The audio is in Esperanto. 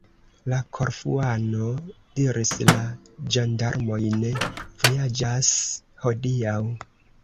La Korfuano diris: "La ĝendarmoj ne vojaĝas hodiaŭ."